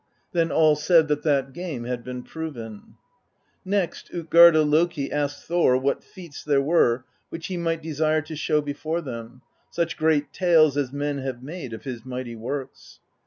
Then all said that that game had been proven. " Next, Utgarda Loki asked Thor what feats there were which he might desire to show before them: such great tales as men have made of his mighty works.